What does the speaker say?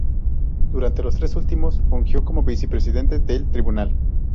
Durante los tres últimos fungió como vicepresidente del tribunal.